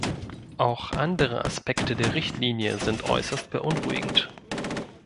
Auch andere Aspekte der Richtlinie sind äußerst beunruhigend.